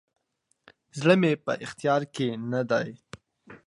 زړه مي په اختیار کي نه دی،